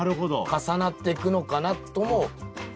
重なってくのかなとも。